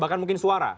bahkan mungkin suara